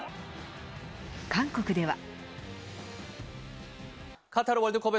韓国では。